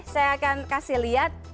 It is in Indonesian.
saya akan kasih lihat